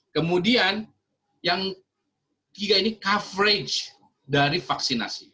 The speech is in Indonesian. kemudian yang tiga ini coverage dari vaksinasi